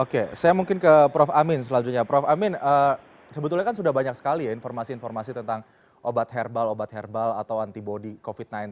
oke saya mungkin ke prof amin selanjutnya prof amin sebetulnya kan sudah banyak sekali ya informasi informasi tentang obat herbal obat herbal atau antibody covid sembilan belas